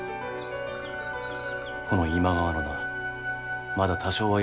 この今川の名まだ多少は役に立とう。